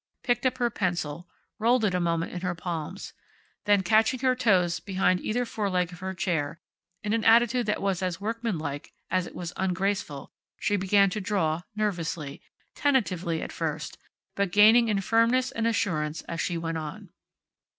Picked up her pencil, rolled it a moment in her palms, then, catching her toes behind either foreleg of her chair, in an attitude that was as workmanlike as it was ungraceful, she began to draw, nervously, tentatively at first, but gaining in firmness and assurance as she went on.